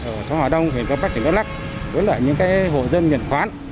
ở xã hòa đông huyện cron park tỉnh đắk lắc với những hộ dân nhận khoán